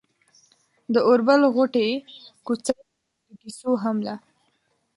د اوربل غوټې، کوڅۍ، د ګيسو هم لا